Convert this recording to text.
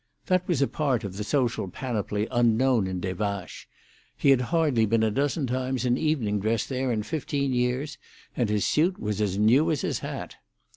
That was a part of the social panoply unknown in Des Vaches; he had hardly been a dozen times in evening dress there in fifteen years, and his suit was as new as his hat.